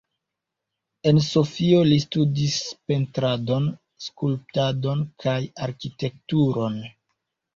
En Sofio li studis Pentradon, Skulptadon kaj Arkitekturon.